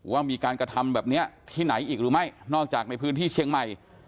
ว่ามีการกระทำแบบนี้ที่ไหนอีกหรือไม่นอกจากในพื้นที่เชียงใหม่